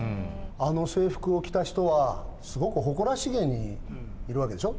あの制服を着た人はすごく誇らしげにいる訳でしょ。